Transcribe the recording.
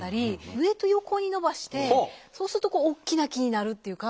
上と横に伸ばしてそうすると大きな木になるっていうか。